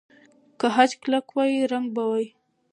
که خج کلک وای، رنګ به وای.